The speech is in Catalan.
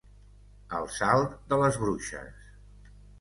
El salt de les bruixes.